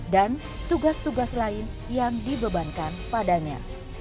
dan tugas tugas lain yang dibebankan padanya